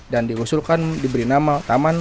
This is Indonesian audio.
dan diusulkan diberi nama taman